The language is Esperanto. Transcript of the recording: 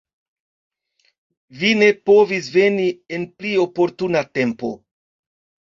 Vi ne povis veni en pli oportuna tempo.